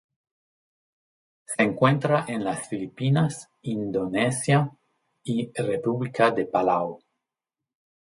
Se encuentra en las Filipinas, Indonesia y República de Palau.